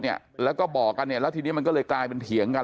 เนี่ยแล้วก็บอกกันเนี่ยแล้วทีนี้มันก็เลยกลายเป็นเถียงกัน